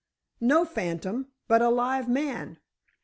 "No phantom, but a live man.